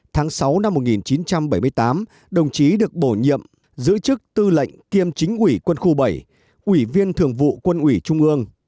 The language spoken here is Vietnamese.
tháng sáu năm một nghìn chín trăm bảy mươi tám đồng chí được bổ nhiệm giữ chức tư lệnh kiêm chính ủy quân khu bảy ủy viên thường vụ quân ủy trung ương